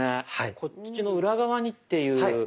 こっちの裏側にっていう。